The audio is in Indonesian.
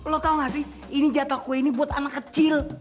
lo tau gak sih ini jatoh kue ini buat anak kecil